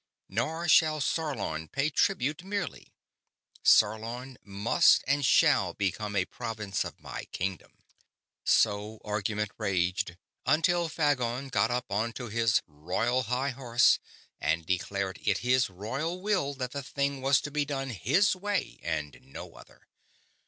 Nor shall Sarlon pay tribute merely; Sarlon must and shall become a province of my kingdom!" So argument raged, until Phagon got up onto his royal high horse and declared it his royal will that the thing was to be done his way and no other.